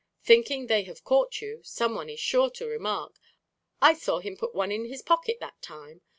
Thinking they have caught you, someone is sure to remark, "I saw him put one in his pocket that time."